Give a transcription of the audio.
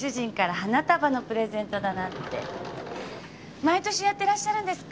毎年やってらっしゃるんですか？